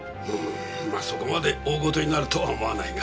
まあそこまで大事になるとは思わないが。